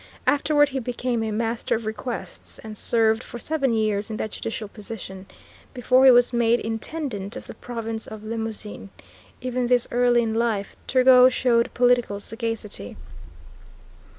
Afterward he became a Master of Requests, and served for seven years in that judicial position, before he was made Intendant of the Province of Limousin. Even thus early in life Turgot showed political sagacity.